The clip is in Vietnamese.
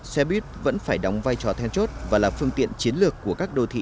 xe buýt vẫn phải đóng vai trò then chốt và là phương tiện chiến lược của các đô thị